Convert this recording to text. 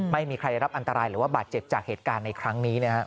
ไม่มีใครรับอันตรายหรือว่าบาดเจ็บจากเหตุการณ์ในครั้งนี้นะครับ